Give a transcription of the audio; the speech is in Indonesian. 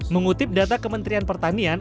mengutip data kementerian pertanian